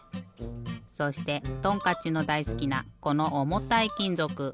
そしてトンカッチのだいすきなこのおもたいきんぞく。